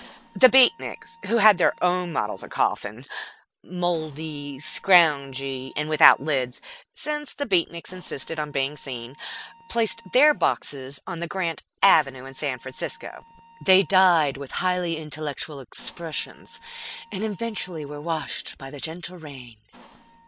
The Beatniks, who had their own models of coffin mouldy, scroungy, and without lids, since the Beatniks insisted on being seen placed their boxes on the Grant Avenue in San Francisco. They died with highly intellectual expressions, and eventually were washed by the gentle rain.